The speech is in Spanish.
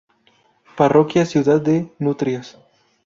Parroquia Ciudad de Nutrias.